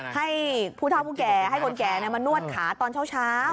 ให้ผู้เท่าผู้แก่ให้คนแก่มานวดขาตอนเช้า